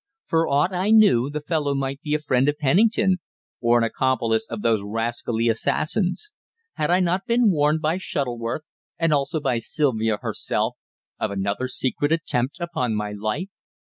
For aught I knew, the fellow might be a friend of Pennington, or an accomplice of those rascally assassins. Had I not been warned by Shuttleworth, and also by Sylvia herself, of another secret attempt upon my life?